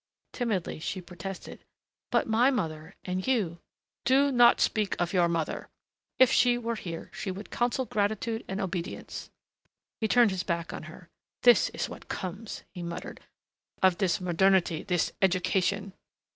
Timidly she protested, "But my mother and you " "Do not speak of your mother! If she were here she would counsel gratitude and obedience." He turned his back on her. "This is what comes," he muttered, "of this modernity, this education...."